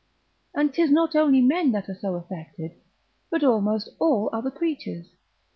And 'tis not only men that are so affected, but almost all other creatures.